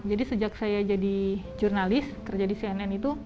jadi sejak saya jadi jurnalis kerja di cnn itu